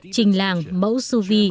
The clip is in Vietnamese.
trình làng mẫu suv